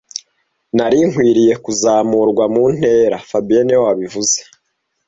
Nari nkwiriye kuzamurwa mu ntera fabien niwe wabivuze